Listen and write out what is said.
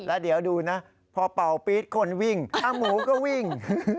แล้วเดี๋ยวดูนะพอเป่าปี๊ดคนวิ่งหมูก็วิ่ง